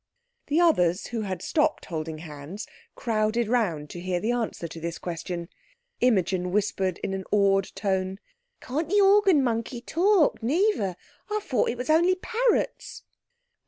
The others who had stopped holding hands crowded round to hear the answer to this question. Imogen whispered in an awed tone— "Can't the organ monkey talk neither! I thought it was only parrots!"